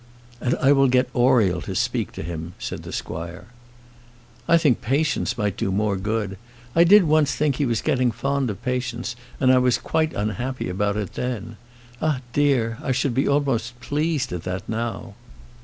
"And I will get Oriel to speak to him," said the squire. "I think Patience might do more good. I did once think he was getting fond of Patience, and I was quite unhappy about it then. Ah, dear! I should be almost pleased at that now."